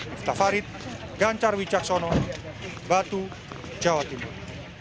miftafarid ganjar wijaksono batu jawa timur